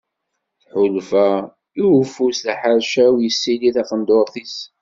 Tḥulfa i ufus d aḥercawan yessili taqendurt-is.